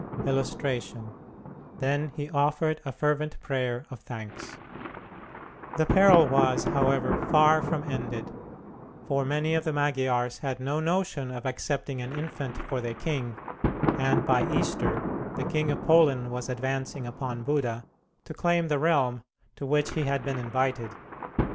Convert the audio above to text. [Illustration: THEN HE OFFERED A FERVENT PRAYER OF THANKS] The peril was, however, far from ended; for many of the Magyars had no notion of accepting an infant for their king, and by Easter, the King of Poland was advancing upon Buda to claim the realm to which he had been invited.